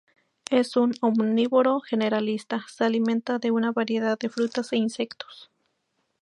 Es un omnívoro generalista, se alimenta de una variedad de frutas e insectos.